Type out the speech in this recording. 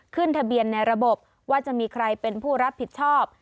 ขึ้นทะเบียนในระบบว่าจะมีใครเป็นผู้รับผิดชอบ